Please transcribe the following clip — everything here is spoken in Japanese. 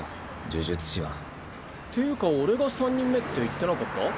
呪術師は。っていうか俺が３人目って言ってなかった？